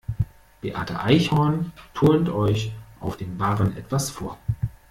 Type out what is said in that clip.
Beate Eichhorn turnt euch auf dem Barren etwas vor.